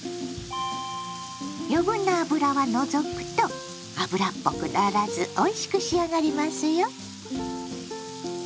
余分な脂は除くと脂っぽくならずおいしく仕上がりますよ。